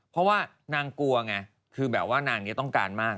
เพราะว่านางกลัวไงคือแบบว่านางนี้ต้องการมาก